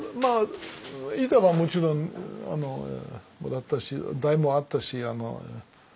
板はもちろんもらったし台もあったし。